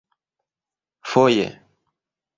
"Foje."